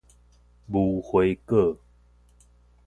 無花果